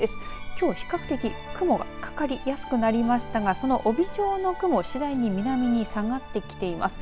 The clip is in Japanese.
きょう比較的、雲がかかりやすくなりましたがその帯状の雲次第に南に下がってきています。